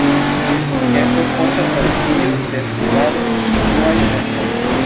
Estas forta tradicio de skribado de fruaj tempoj.